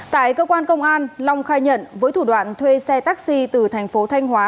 tại cơ quan công an long khai nhận với thủ đoạn thuê xe taxi từ thành phố thanh hóa